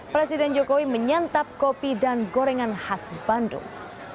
presiden jokowi menyantap kopi dan gorengan khas bandung